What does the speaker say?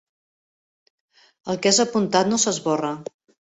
El que és apuntat no s'esborra.